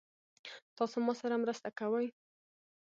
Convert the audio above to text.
تاسو ما سره مرسته کوئ؟